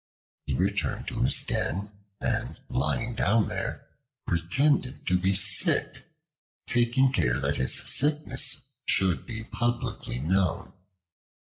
He returned to his den, and lying down there, pretended to be sick, taking care that his sickness should be publicly known.